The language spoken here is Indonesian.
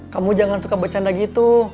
kamu jangan suka bercanda gitu